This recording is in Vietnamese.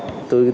tôi nghĩ là